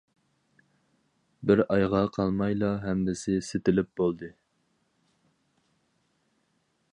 بىر ئايغا قالمايلا ھەممىسى سېتىلىپ بولدى.